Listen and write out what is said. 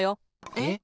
えっ？